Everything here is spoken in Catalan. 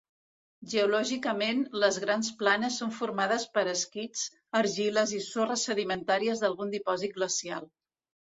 Geològicament, les Grans Planes són formades per esquists, argiles i sorres sedimentàries d'algun dipòsit glacial.